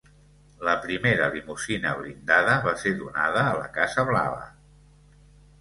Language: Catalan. La primera limusina blindada va ser donada a la Casa Blava.